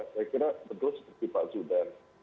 saya kira betul seperti pak zudan